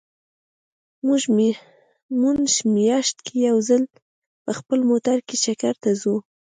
مونږ مياشت کې يو ځل په خپل موټر کې چکر ته ځو